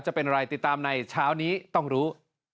จะเป็นอะไรติดตามในเช้านี้ต้องรู้